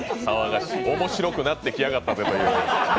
面白くなってきやがったという。